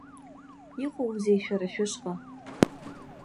Иҟоузеи шәара шәышҟа?